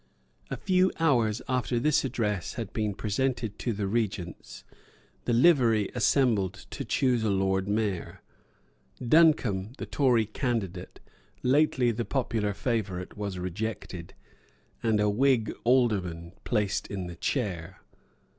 A few hours after this address had been presented to the Regents, the Livery assembled to choose a Lord Mayor. Duncombe, the Tory candidate, lately the popular favourite, was rejected, and a Whig alderman placed in the chair.